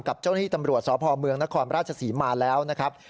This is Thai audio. กับเจ้าหน้าที่ตำรวจสพเมืองนครราชศรีมาแล้วนะครับ